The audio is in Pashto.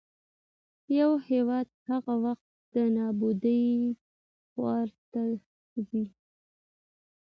يـو هـيواد هـغه وخـت د نـابـودۍ خـواتـه ځـي